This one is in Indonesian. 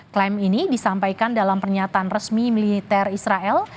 klaim ini disampaikan dalam pernyataan resmi militer israel